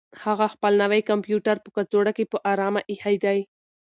هغه خپل نوی کمپیوټر په کڅوړه کې په ارامه اېښی دی.